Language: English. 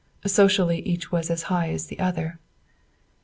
Socially each was as high as the other.